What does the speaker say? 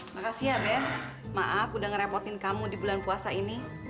makasih ya ben maaf udah ngerepotin kamu di bulan puasa ini